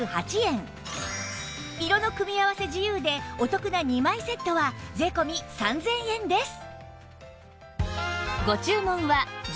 色の組み合わせ自由でお得な２枚セットは税込３０００円です